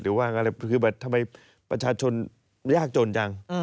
ว่าอะไรคือแบบทำไมประชาชนยากจนจัง